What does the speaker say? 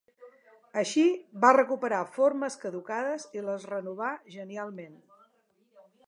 Així, va recuperar formes caducades i les renovà genialment.